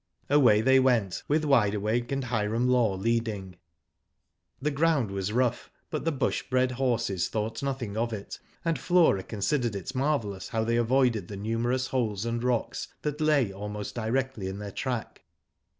Away they went, with Wide Awake and Hiram Law leading. The ground was rough, but the bush bred horses thought nothing of it, and Flora considered it marvellous how they avoided the numerous holes and rocks that lay almost directly in their track.